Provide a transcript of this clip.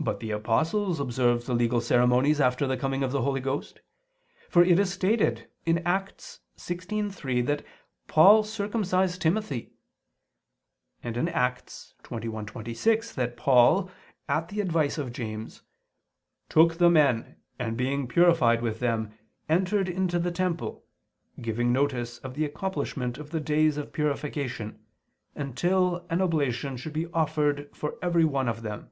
But the apostles observed the legal ceremonies after the coming of the Holy Ghost: for it is stated (Acts 16:3) that Paul circumcised Timothy: and (Acts 21:26) that Paul, at the advice of James, "took the men, and ... being purified with them, entered into the temple, giving notice of the accomplishment of the days of purification, until an oblation should be offered for every one of them."